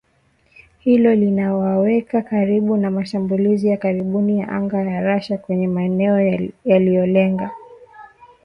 Hilo linawaweka karibu na mashambulizi ya karibuni ya anga ya Russia kwenye maeneo yaliyolenga magharibi mwa Ukraine.